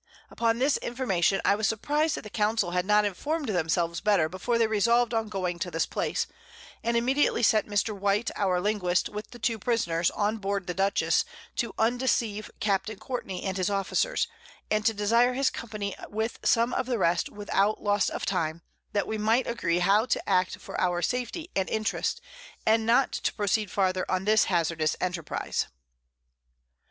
Upon this Information I was surpriz'd that the Council had not inform'd themselves better before they resolved on going to this Place, and immediately sent Mr. White our Linguist with the two Prisoners, on board the Dutchess, to undeceive Capt. Courtney and his Officers, and to desire his Company with some of the rest without Loss of Time, that we might agree how to act for our Safety and Interest, and not to proceed farther on this hazardous Enterprize.